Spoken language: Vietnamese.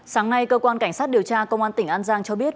sáng nay cơ quan cảnh sát điều tra công an tỉnh an giang cho biết